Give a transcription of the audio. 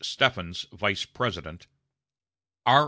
Stephens, Vice President; R.